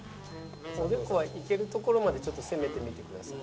おでこはいけるところまでちょっと攻めてみてください。